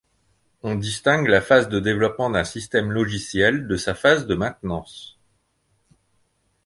On distingue la phase de développement d'un système logiciel de sa phase de maintenance.